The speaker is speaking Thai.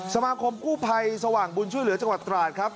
สมาคมกู้ภัยสว่างบุญช่วยเหลือจังหวัดตราดครับ